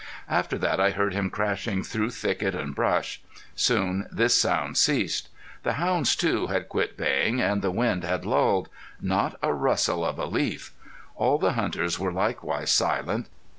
After that I heard him crashing through thicket and brush. Soon this sound ceased. The hounds, too, had quit baying and the wind had lulled. Not a rustle of a leaf! All the hunters were likewise silent.